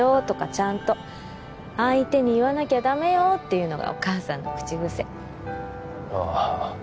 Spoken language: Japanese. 「ちゃんと相手に言わなきゃダメよ」っていうのがお母さんの口癖ああ